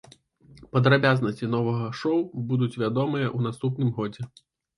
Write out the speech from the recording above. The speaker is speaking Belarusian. Падрабязнасці новага шоу будуць вядомыя ў наступным годзе.